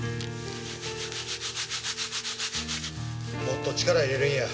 もっと力入れるんや。